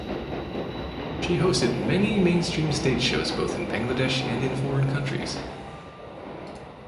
She hosted many mainstream stage shows both in Bangladesh and in foreign countries.